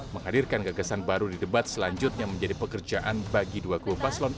menghadirkan gagasan baru di debat selanjutnya menjadi pekerjaan bagi dua kubu paslon